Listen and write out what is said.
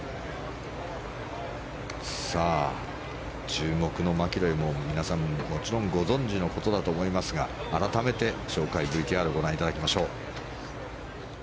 さあ、注目のマキロイも皆さん、もちろんご存じのことだと思いますが改めて紹介ＶＴＲをご覧いただきましょう。